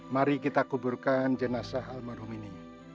mari kita kuburkan jenazah almarhum ini